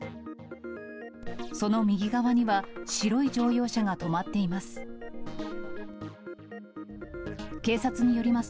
その右側には、白い乗用車が止まっています。